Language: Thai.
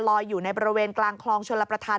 ลอยอยู่ในประเวนกลางคลองชนลประทาน